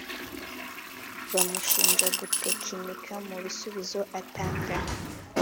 bamushinja gutekinika mu bisubizo atanga